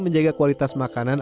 menjaga kualitas makanan